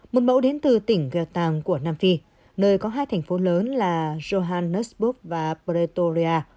một mẫu đến từ tỉnh gaetan của nam phi nơi có hai thành phố lớn là johannesburg và pretoria